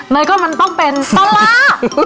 มันก็มันต้องเป็นปลาร้า